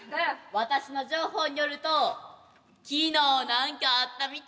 私の情報によると昨日何かあったみたい。